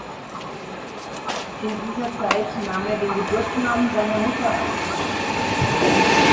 In dieser Zeit nahm er den Geburtsnamen seiner Mutter an.